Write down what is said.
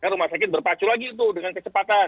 rumah sakit berpacu lagi tuh dengan kecepatan